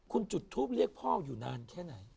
คุณจุดทูปเรียกพ่ออยู่นานแค่ไหน